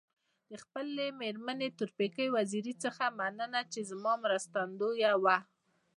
د خپلي مېرمني تورپیکۍ وزيري څخه مننه چي زما مرستندويه وه.